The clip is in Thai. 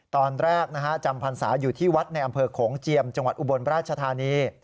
ตอนแรกนะฮะจำพรรษาอยู่ที่วัดในอำเภอโขงเจียมจังหวัดอุบลราชธานี